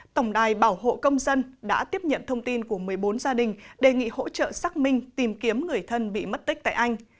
tổng đài bảo hộ công dân đã tiếp nhận thông tin của một mươi bốn gia đình đề nghị hỗ trợ xác minh tìm kiếm người thân bị mất tích tại anh